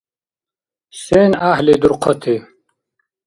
Сен гӀяхӀли дурхъати?